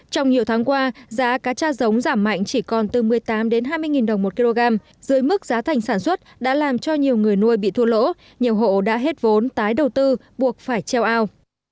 trong nhiều tháng qua giá cá cha giống giảm mạnh chỉ còn từ một mươi tám hai mươi đồng một kg dưới mức giá thành sản xuất đã làm cho nhiều người nuôi bị thua lỗ nhiều hộ đã hết vốn tái đầu tư buộc phải treo ao